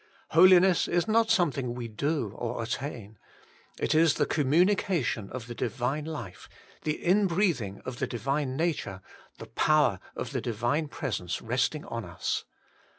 Holiness is not something we do or attain: it is the communication of the Divine life, the inbreathing of the Divine nature, the power of the Divine Presence resting on us.